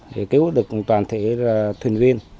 thì cứu được toàn thể thuyền viên